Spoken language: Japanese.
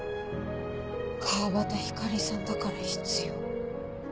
川端光さんだから必要。